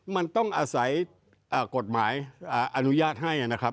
มันต้องอาศัยกฎหมายอนุญาตให้นะครับ